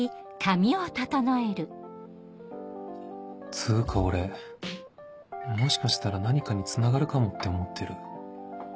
つうか俺もしかしたら何かにつながるかもって思ってる？